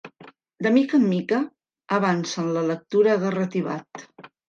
De mica en mica, avança en la lectura garratibat.